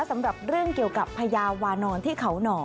สำหรับเรื่องเกี่ยวกับพญาวานอนที่เขาหน่อ